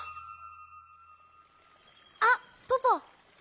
あっポポ。